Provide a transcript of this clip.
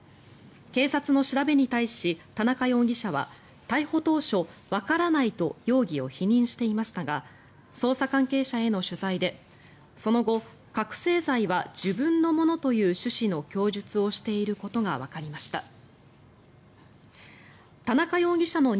警察の調べに対し田中容疑者は逮捕当初、わからないと容疑を否認していましたが捜査関係者への取材で、その後覚醒剤は自分のものという趣旨の供述をしていることがわかりました。